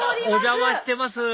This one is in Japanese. お邪魔してます